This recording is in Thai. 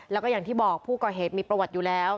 แล้วก็อย่างที่บอกผู้ก่อเหตุมีประวัติอยู่แล้ว